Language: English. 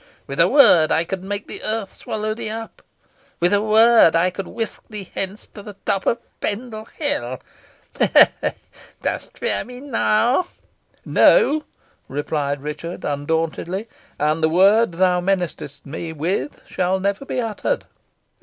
With a word, I could make the earth swallow thee up. With a word, I could whisk thee hence to the top of Pendle Hill. Ha! ha! Dost fear me now?" "No," replied Richard, undauntedly. "And the word thou menacest me with shall never be uttered."